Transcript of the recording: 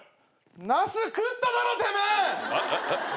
ナス食っただろてめえ！